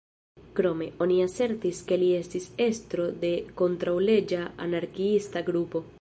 Krome, oni asertis ke li estis estro de kontraŭleĝa anarkiista grupo.